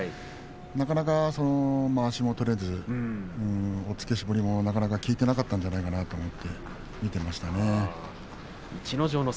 なかなかまわしも取れずに押っつけ絞りもなかなか効いていなかったんではないかと見ていました。